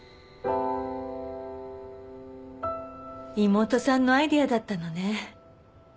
妹さんのアイデアだったのね。